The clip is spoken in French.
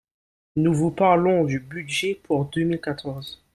Nous vous parlons du budget pour deux mille quatorze